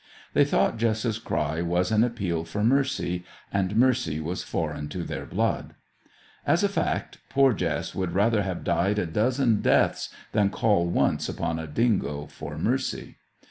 They thought Jess's cry was an appeal for mercy, and mercy was foreign to their blood. As a fact, poor Jess would rather have died a dozen deaths than call once upon a dingo for mercy.